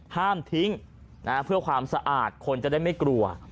ห้ามทิ้งเพื่อความสะอาดคนจะได้ไม่กลัว